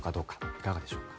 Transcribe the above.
いかがでしょうか。